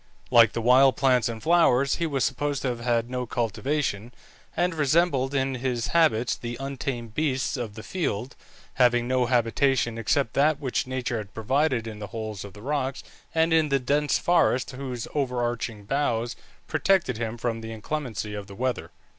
Like the wild plants and flowers, he was supposed to have had no cultivation, and resembled in his habits the untamed beasts of the field, having no habitation except that which nature had provided in the holes of the rocks, and in the dense forests whose overarching boughs protected him from the inclemency of the weather.